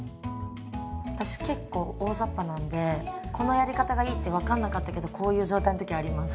私結構大ざっぱなんでこのやり方がいいって分かんなかったけどこういう状態の時あります。